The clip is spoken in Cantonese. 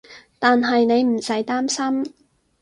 但係你唔使擔心